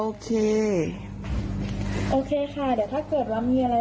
ขอบคุณค่ะ